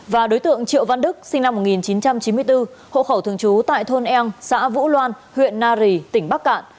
và đối tượng triệu văn đức sinh năm một nghìn chín trăm chín mươi bốn hộ khẩu thường trú tại thôn eng xã vũ loan huyện nari tỉnh bắc cạn